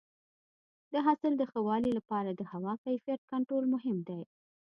د حاصل د ښه والي لپاره د هوا کیفیت کنټرول مهم دی.